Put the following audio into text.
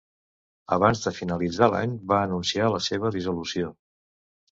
Abans de finalitzar l'any van anunciar la seva dissolució.